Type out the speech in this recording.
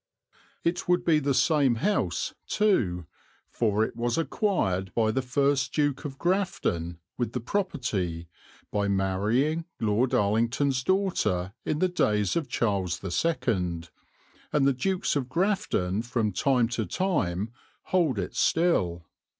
It would be the same house, too, for it was acquired by the first Duke of Grafton, with the property, by marrying Lord Arlington's daughter in the days of Charles II, and the Dukes of Grafton from time to time hold it still.